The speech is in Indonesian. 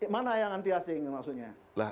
mana yang anti asing maksudnya